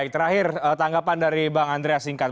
baik terakhir tanggapan dari bang andreas singkat